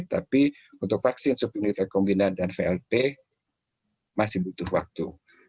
tapi untuk vaksin super unit rekombinan dan vlp masih butuh waktu